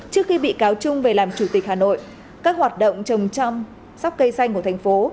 trước khi bị cáo trung về làm chủ tịch hà nội các hoạt động trồng trăm sóc cây xanh của thành phố